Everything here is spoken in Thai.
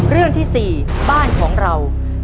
เรื่องที่สี่บ้านของท่าน